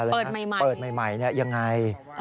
เปิดใหม่เนี่ยยังไง